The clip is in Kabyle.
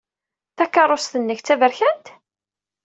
Takeṛṛust-nnek d taberkant?